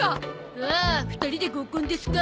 ああ２人で合コンですか。